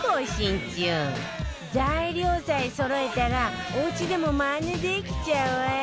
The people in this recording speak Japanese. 材料さえそろえたらおうちでもマネできちゃうわよ